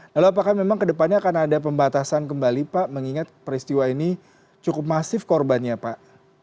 lalu apakah memang kedepannya akan ada pembatasan kembali pak mengingat peristiwa ini cukup masif korbannya pak